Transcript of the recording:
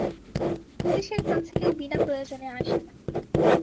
পুলিশের কাছে কেউ বিনা প্রয়োজনে আসে না।